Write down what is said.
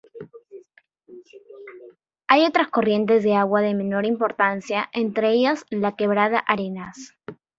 Hay otras corrientes de agua de menor importancia, entre ellas la Quebrada Arenas.